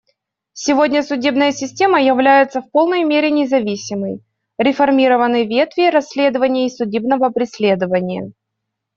Сегодня судебная система является в полной мере независимой; реформированы ветви расследования и судебного преследования.